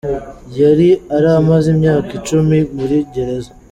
Yari ari amaze imyaka icumi muri gereza.